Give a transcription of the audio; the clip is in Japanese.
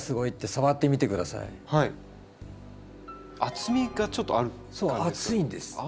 厚みがちょっとある感じですか？